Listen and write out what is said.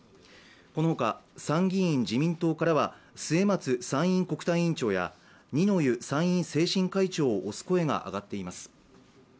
この他、参議院自民党からは末松参院国対委員長や二之湯参院政審会長を推す声が上がっています。